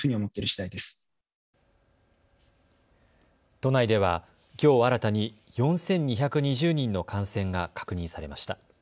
都内ではきょう新たに４２２０人の感染が確認されました。